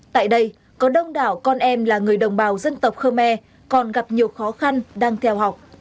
tại đây có đông đảo con em là người đồng bào dân tộc khơ me còn gặp nhiều khó khăn đang theo học